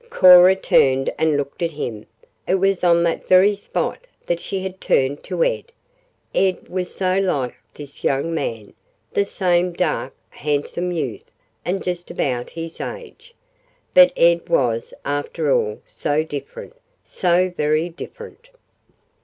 Cora turned and looked at him. It was on that very spot that she had turned to Ed Ed was so like this young man, the same dark, handsome youth, and just about his age. But Ed was, after all, so different so very different.